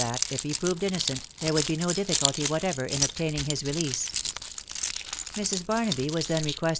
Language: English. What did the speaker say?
that, if he proved innocent, there would be no difficulty who ever in obtaining his release. Mrs. Barnaby was then requeste!